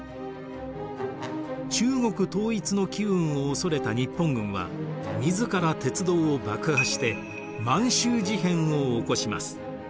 中国統一の機運を恐れた日本軍は自ら鉄道を爆破して満州事変を起こします。